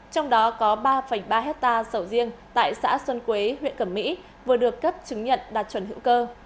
trong đó có ba ba hectare sầu riêng tại xã xuân quế huyện cẩm mỹ vừa được cấp chứng nhận đạt chuẩn hữu cơ